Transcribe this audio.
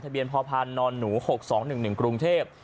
เบียนพพนหนู๖๒๑๑กรุงเทพฯ